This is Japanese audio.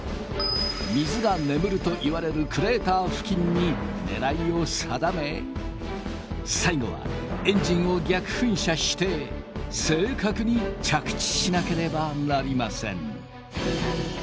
水が眠るといわれるクレーター付近に狙いを定め最後はエンジンを逆噴射して正確に着地しなければなりません。